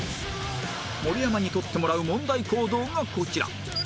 盛山に取ってもらう問題行動がこちら